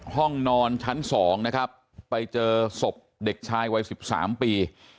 ห้องนอนชั้น๒นะครับไปเจอศพเด็กชายวัย๑๓ปี